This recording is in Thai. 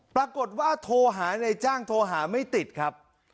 ปรากฏว่าโทรหาในจ้างโทรหาไม่ติดครับ